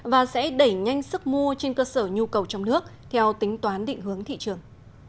và sẽ đẩy nhanh sức mua trên cơ sở nhu cầu trong nước theo tính toán định hướng thị trường